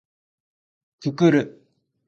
くくる